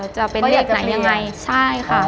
จะเป็นเลขไหนยังไงใช่ค่ะ